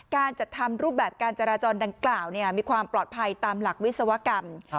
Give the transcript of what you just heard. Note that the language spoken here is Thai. การจัดทำรูปแบบการจราจรดังกล่าวมีความปลอดภัยตามหลักวิศวกรรม